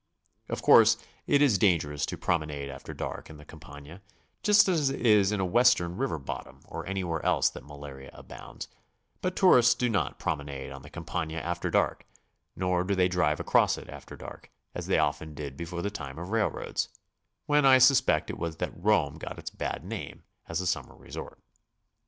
Of course it is dangerous to promenade after dark on the Campagna, just as it is in a Western river bottom, or any where else that malaria abounds, but tourists do not prom enade on the Campagna after dark, nor do they drive across it after dark, as they often did before the time of railroads, when I suspect it was that Rome got its bad name as a summer resort.